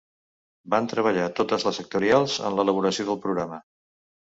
Van treballar totes les sectorials en l’elaboració del programa.